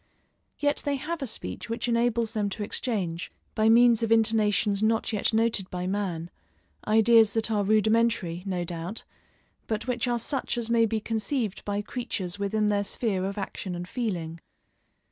Yet they have a speech which enables them to exchange, by means of intonations not yet noted by man, ideas that are rudimentary, no doubt, but which are such as may be conceived by creatures within their sphere of action and feeling.